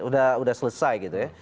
sudah selesai gitu ya